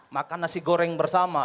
makan nasi goreng bersama